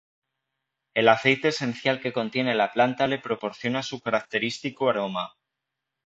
El aceite esencial que contiene la planta le proporciona su característico aroma.